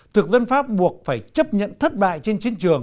thực dân pháp buộc phải chấp nhận thất bại trên chiến trường